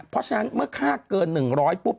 เพราะฉะนั้นเมื่อค่าเกิน๑๐๐ปุ๊บ